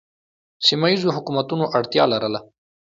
سیمه ییزو حکومتونو اړتیا لرله